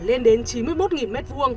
lên đến chín mươi một m hai